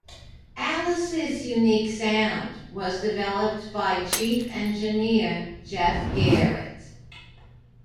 Alice's unique sound was developed by Chief Engineer Jeff Garrett.